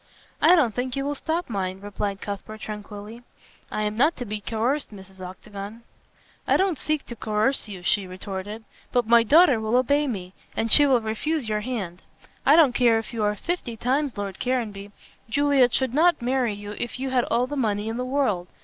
"I don't think you will stop mine," replied Cuthbert tranquilly, "I am not to be coerced, Mrs. Octagon." "I don't seek to coerce you," she retorted, "but my daughter will obey me, and she will refuse your hand. I don't care if you are fifty times Lord Caranby. Juliet should not marry you if you had all the money in the world.